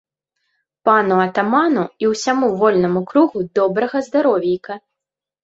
Пану атаману і ўсяму вольнаму кругу добрага здаровейка!